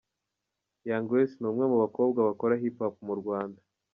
Young Grace ni umwe mu bakobwa bakora Hip hop mu Rwanda.